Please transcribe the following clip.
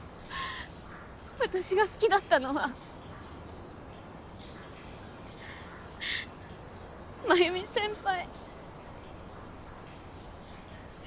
私が好きだったのは繭美先輩。